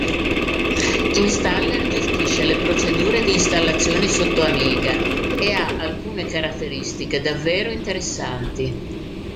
Installer gestisce le procedure di installazione sotto Amiga e ha alcune caratteristiche davvero interessanti.